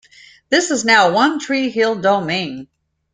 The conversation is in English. This is now One Tree Hill Domain.